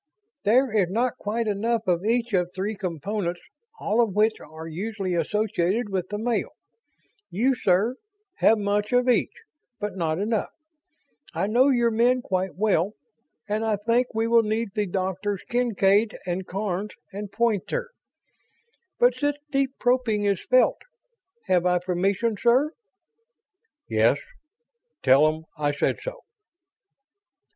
"There is not quite enough of each of three components, all of which are usually associated with the male. You, sir, have much of each, but not enough. I know your men quite well, and I think we will need the doctors Kincaid and Karns and Poynter. But such deep probing is felt. Have I permission, sir?" "Yes. Tell 'em I said so."